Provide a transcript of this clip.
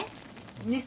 ねっ。